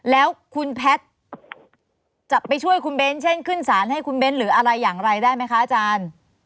แล้วคุณแพทย์จะไปช่วยคุณเบ้นเช่นขึ้นสารให้คุณเบ้นหรืออะไรอย่างไรได้ไหมคะอาจารย์